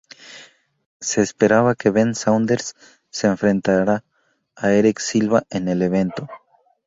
Se esperaba que Ben Saunders se enfrentará a Erick Silva en el evento.